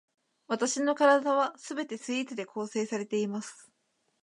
わたしの身体は全てスイーツで構成されています